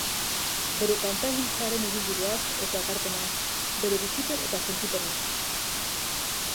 Bere kantagintzaren ibilbideaz eta ekarpenaz, bere bizipen eta sentipenez.